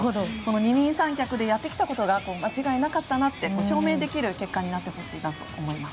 二人三脚でやってきたことが間違いなかったなと証明できる結果になってほしいなと思います。